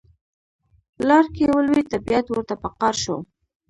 لار کې ولوید طبیعت ورته په قار شو.